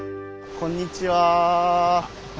こんにちは。